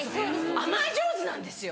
甘え上手なんですよ。